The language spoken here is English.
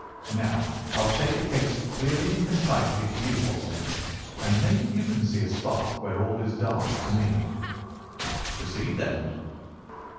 Now, I'll state the case clearly and concisely to you, Watson, and maybe you can see a spark where all is dark to me." "Proceed, then."